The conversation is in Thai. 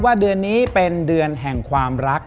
เดือนนี้เป็นเดือนแห่งความรัก